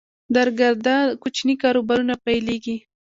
درګرده کوچني کاروبارونه پیلېږي